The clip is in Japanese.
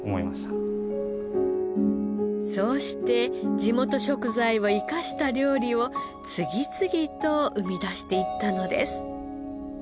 そうして地元食材を生かした料理を次々と生み出していったのです。